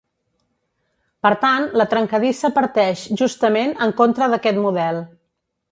Per tant, la trencadissa parteix justament en contra d'aquest model.